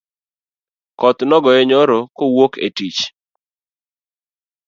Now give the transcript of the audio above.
Koth nogoye nyoro kowuok e tich